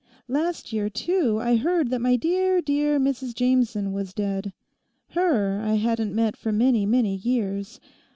Last year, too, I heard that my dear, dear Mrs Jameson was dead. Her I hadn't met for many, many years.